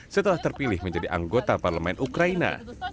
setelah terpilih menjadi anggota parlemen ukraina